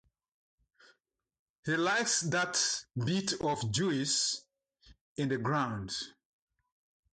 She likes that bit of juice in the ground.